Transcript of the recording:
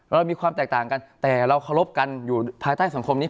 เรามีความแตกต่างกันแต่เราเคารพกันอยู่ภายใต้สังคมนี้